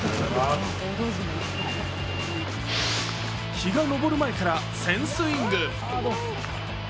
日が昇る前から１０００スイング。